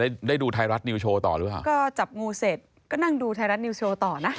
ได้ได้ดูไทยรัฐนิวโชว์ต่อหรือเปล่าก็จับงูเสร็จก็นั่งดูไทยรัฐนิวโชว์ต่อนะ